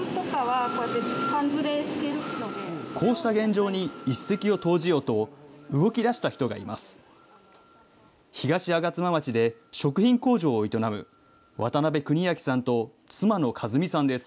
こうした現状に一石を投じようと、動きだした人がいます。